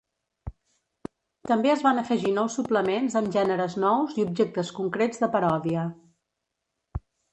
També es van afegir nous suplements amb gèneres nous i objectes concrets de paròdia.